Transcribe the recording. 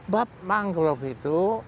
bahwa mangrove itu bisa tumbuh kalau diopeni